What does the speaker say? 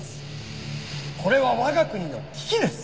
これは我が国の危機です。